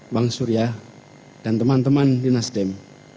bang surya dan teman teman di nasdem